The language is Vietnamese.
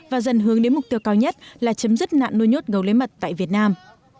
và dần hướng đến mục tiêu cao nhất là chấm dứt nạn nuôi nhốt gấu lấy mật tại việt nam